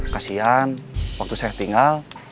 kasian waktu saya tinggal